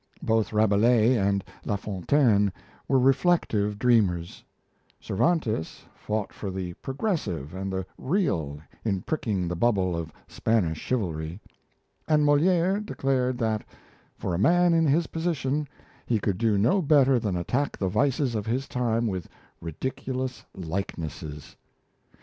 Both Rabelais and La Fontaine were reflective dreamers; Cervantes fought for the progressive and the real in pricking the bubble of Spanish chivalry; and Moliere declared that, for a man in his position, he could do no better than attack the vices of his time with ridiculous likenesses.